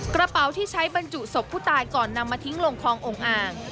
กระเป๋าที่ใช้บรรจุศพผู้ตายก่อนนำมาทิ้งลงคลององค์อ่าง